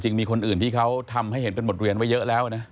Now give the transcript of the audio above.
มีคนอื่นที่เขาทำให้เห็นเป็นบทเรียนไว้เยอะแล้วนะ